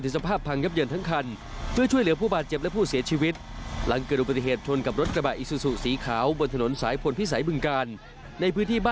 สาวภูตะวงศ์อายุห้าสิบหกปี